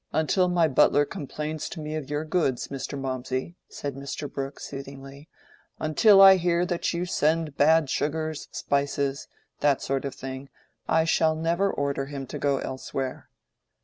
Until my butler complains to me of your goods, Mr. Mawmsey," said Mr. Brooke, soothingly, "until I hear that you send bad sugars, spices—that sort of thing—I shall never order him to go elsewhere."